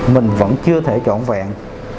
mình vẫn chưa thể trọn vẹn